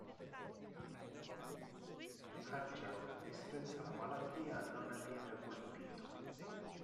Angelo, che disprezza la malattia, non ne viene colpito.